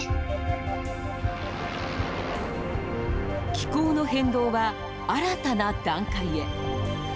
気候の変動は、新たな段階へ。